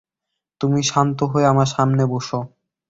তুমি শান্ত হয়ে আমার সামনে বসো।